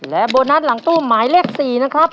และโบนัสหลังตู้หมายเลข๔นะครับ